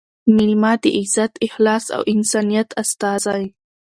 مېلمه – د عزت، اخلاص او انسانیت استازی